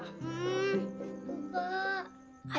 iya kak boleh ya kak